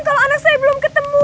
kalau anak saya belum ketemu